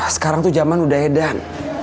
sekarang tuh zaman udah hedan